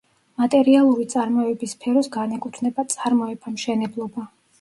მატერიალური წარმოების სფეროს განეკუთვნება: წარმოება, მშენებლობა.